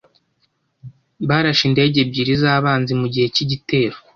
Barashe indege ebyiri z'abanzi mugihe cy'igitero.